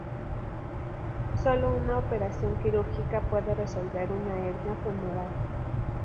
Solo una operación quirúrgica puede resolver una hernia femoral.